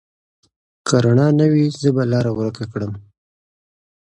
که رڼا نه وي، زه به لاره ورکه کړم.